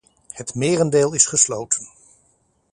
Het merendeel is gesloten.